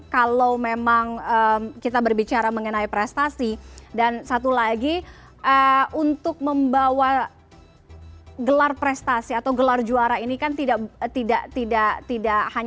kalau memang kita berbicara mengenai prestasi dan satu lagi untuk membawa gelar prestasi atau gelar juara ini kan tidak hanya